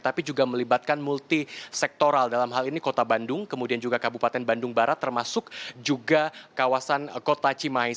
tapi juga melibatkan multi sektoral dalam hal ini kota bandung kemudian juga kabupaten bandung barat termasuk juga kawasan kota cimais